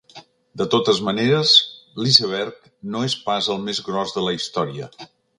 De totes maneres, l’iceberg no és pas el més gros de la història.